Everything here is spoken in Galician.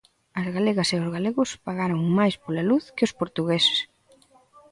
As galegas e os galegos pagaron máis pola luz que os portugueses.